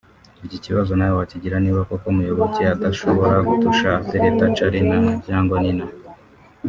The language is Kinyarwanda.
Iki kibazo nawe wakigira niba koko Muyoboke adashobora gutusha atereta Charly cyangwa Nina